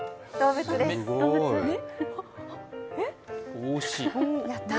帽子？